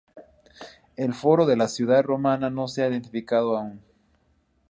El foro de la ciudad romana no se ha identificado aún.